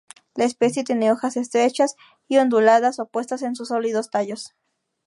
La especie tiene hojas estrechas y onduladas, opuestas en sus sólidos tallos.